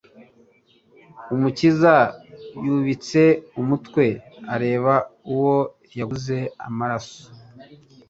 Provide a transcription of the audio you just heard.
Umukiza yubitse umutwe areba uwo yaguze amaraso